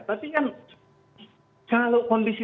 tapi kan kalau kondisi